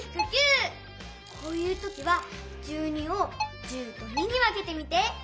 こういうときは１２を１０と２にわけてみて。